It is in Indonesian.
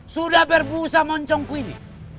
sudah berbusa moncongku ini